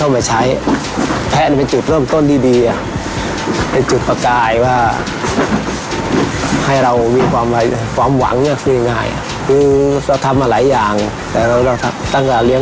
แม่พันที่คลอดลูกแล้วเนี่ย